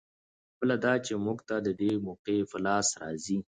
بله دا چې موږ ته د دې موقعې په لاس راځي.